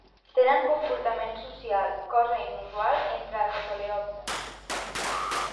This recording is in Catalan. Tenen comportament social, cosa inusual entre els coleòpters.